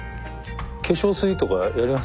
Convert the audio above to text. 化粧水とかやります？